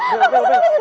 ya ampun roman